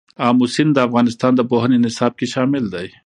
آمو سیند د افغانستان د پوهنې نصاب کې شامل دی.